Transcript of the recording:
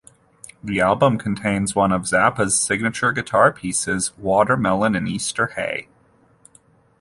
The album contains one of Zappa's signature guitar pieces, "Watermelon in Easter Hay".